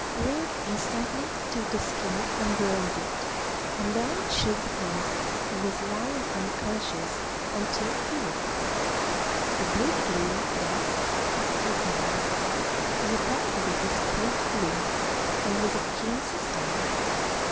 Ring instantly took the skin and burned it, and then shook the Prince, who was lying unconscious, until he woke up. The bridegroom then asked his name; he replied that he was called Ring, and was a King's son.